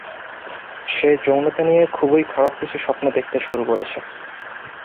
সে যৌনতা নিয়ে খুবই খারাপ কিছু স্বপ্ন দেখতে শুরু করেছে।